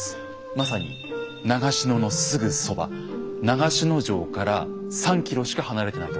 まさに長篠のすぐそば長篠城から３ｋｍしか離れてないところにあったんです。